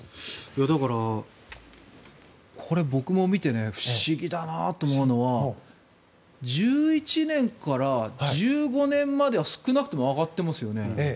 だから、これ、僕も見て不思議だなと思うのは１１年から１５年までは少なくても上がってますよね。